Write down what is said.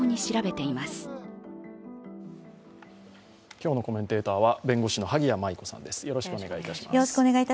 今日のコメンテーターは弁護士の萩谷麻衣子さんです。